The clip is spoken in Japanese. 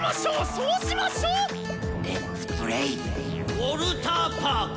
ウォルターパーク。